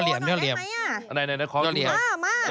อ่านี่น้องมีน้องแดมเหลี่ยวเลี่ยวไหม